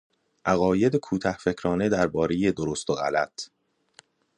عقاید کوتهفکرانه دربارهی درست و غلط